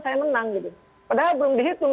saya menang gitu padahal belum dihitung